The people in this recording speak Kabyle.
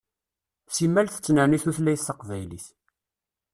Simmal tettnerni tutlayt taqbaylit.